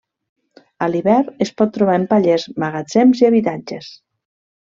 A l'hivern es pot trobar en pallers, magatzems i habitatges.